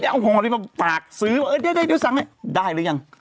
เอาห่อไปมาปากซื้อเออเดี๋ยวซังให้ได้หรือยัง